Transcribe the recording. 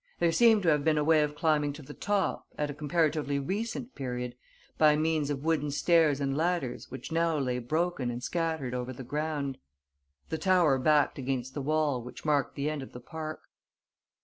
There seemed to have been a way of climbing to the top, at a comparatively recent period, by means of wooden stairs and ladders which now lay broken and scattered over the ground. The tower backed against the wall which marked the end of the park.